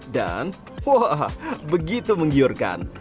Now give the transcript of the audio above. dan wah begitu menggiurkan